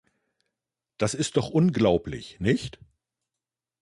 Das ist doch unglaublich, nicht?